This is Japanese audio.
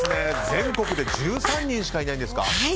全国で１３人しかいないんですか。